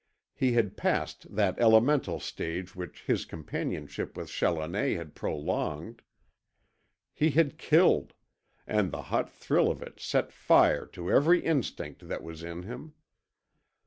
He had passed that elemental stage which his companionship with Challoner had prolonged. He had KILLED, and the hot thrill of it set fire to every instinct that was in him.